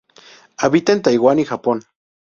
Habita en Taiwán y Japón.